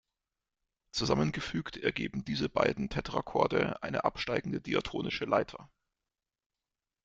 Zusammengefügt ergeben diese beiden Tetrachorde eine absteigende diatonische Leiter.